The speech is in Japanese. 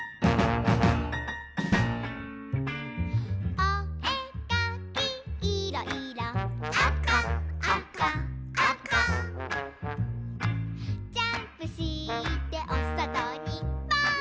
「おえかきいろ・いろ」「あかあかあか」「ジャンプしておそとにぽーん！」